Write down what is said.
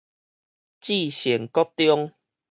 至善國中